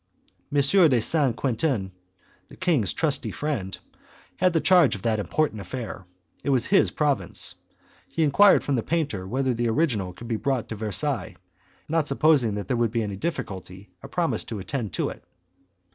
M. de St. Quentin, the king's trusty friend, had the charge of that important affair; it was his province: He enquired from the painter whether the original could be brought to Versailles, and the artist, not supposing there would be any difficulty, promised to attend to it.